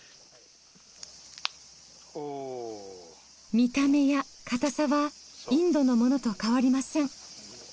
見た目やかたさはインドのものと変わりません。